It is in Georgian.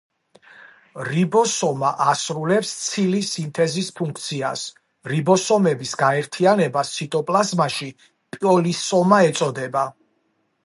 რიბოსომა ასრულებს ცილის სინთეზის ფუნქციას. რიბოსომების გაერთიანებას ციტოპლაზმაში -პოლისომა ეწოდება.